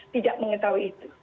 tidak mengetahui itu